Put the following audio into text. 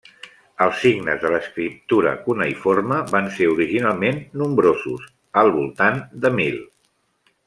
Els signes de l'escriptura cuneïforme van ser originalment nombrosos, al voltant de mil.